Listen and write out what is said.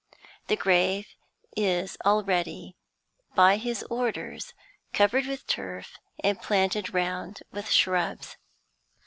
The grave is already, by his orders, covered with turf, and planted round with shrubs.